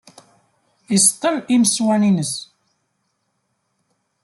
Iṣeṭṭel imeswan-ines.